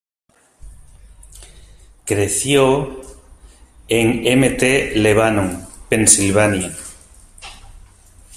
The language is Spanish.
Creció en Mt. Lebanon, Pensilvania.